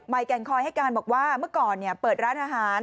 แก่งคอยให้การบอกว่าเมื่อก่อนเปิดร้านอาหาร